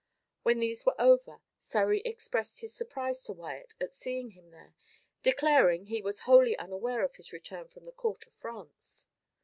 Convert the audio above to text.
When these were over, Surrey expressed his surprise to Wyat at seeing him there, declaring he was wholly unaware of his return from the court of France.